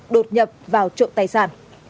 đột nhập vào trộm tài sản